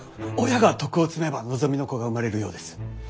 親が徳を積めば望みの子が生まれるようです。